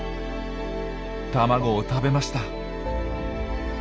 卵を食べました。